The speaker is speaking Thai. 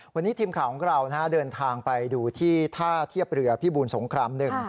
วันนี้ทีมข่าวของเราเดินทางไปดูที่ท่าเทียบเรือพิบูลสงครามหนึ่ง